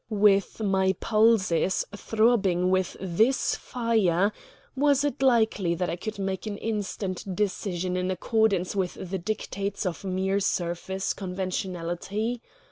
With my pulses throbbing with this fire, was it likely that I could make an instant decision in accordance with the dictates of mere surface conventionality?